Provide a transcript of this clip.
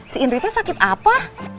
si indri teh sakit apa